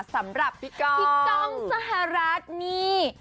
สำหรับพี่ก้องสหรัฐนี่